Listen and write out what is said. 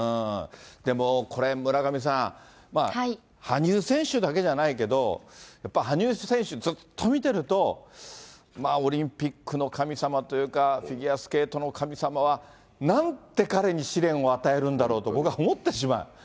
でもこれ村上さん、まあ、羽生選手だけじゃないけど、やっぱ羽生選手ずっと見てると、オリンピックの神様というか、フィギュアスケートの神様は、なんて彼に試練を与えるんだろうと、僕は思ってしまう。